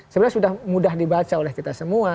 sebenarnya sudah mudah dibaca oleh kita semua